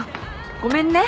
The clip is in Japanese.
ごめんね。